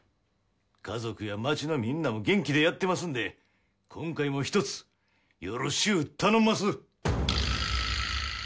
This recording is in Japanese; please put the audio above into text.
家族や町のみんなも元気でやってますんで今回もひとつよろしゅう頼んます。